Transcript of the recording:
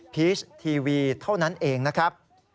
พีชทีวีเท่านั้นเองนะครับ